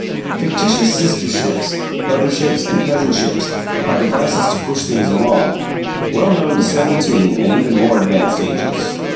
Fictitious sisterships, brotherships, and cousinships are devices to push things along, well known to seventeen and even more advanced ages.